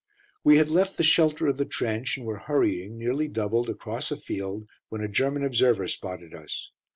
We had left the shelter of the trench, and were hurrying, nearly doubled, across a field, when a German observer spotted us.